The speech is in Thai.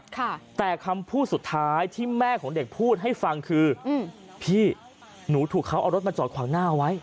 ค่ะแต่คำพูดสุดท้ายที่แม่ของเด็กพูดให้ฟังคืออืมพี่หนูถูกเขาเอารถมาจอดขวางหน้าไว้